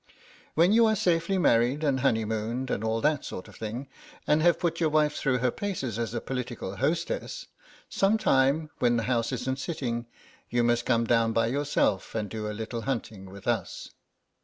"When you are safely married and honey mooned and all that sort of thing, and have put your wife through her paces as a political hostess, some time, when the House isn't sitting, you must come down by yourself, and do a little hunting with us.